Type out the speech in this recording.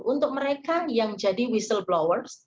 untuk mereka yang jadi whistleblowers